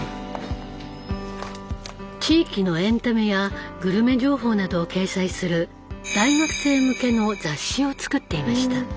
地域のエンタメやグルメ情報などを掲載する大学生向けの雑誌を作っていました。